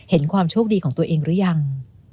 ความโชคดีของตัวเองหรือยัง